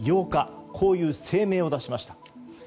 ８日、こういう声明を出しました。